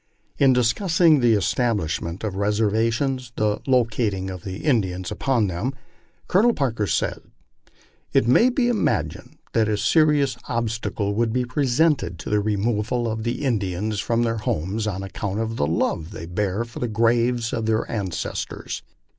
In discussing the establishment of reservations, and the locating of the In dians upon them, Colonel Parker says :" It may be imagined that a seri ous obstacle would be presented to the removal of the Indians from their homes on account of the love they bear for the graves of their ancestors.